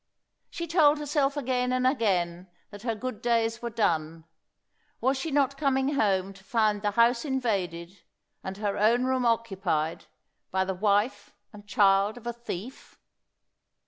She told herself again and again that her good days were done. Was she not coming home to find the house invaded, and her own room occupied, by the wife and child of a thief?